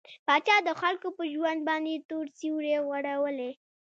پاچا د خلکو په ژوند باندې تور سيورى غوړولى.